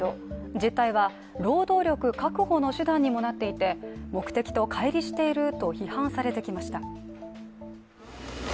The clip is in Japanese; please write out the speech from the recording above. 実態は、労働力確保の手段にもなっていて目的とかい離していると批判されてきました。